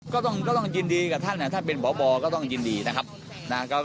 ก็ต้องยินดีกับท่านถ้าเป็นพบก็ต้องยินดีนะครับ